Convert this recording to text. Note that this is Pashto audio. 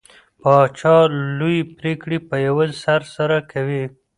پاچا لوې پرېکړې په يوازې سر سره کوي .